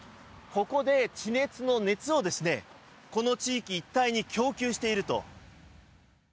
ここで地熱の熱をこの地域一帯に供給していると。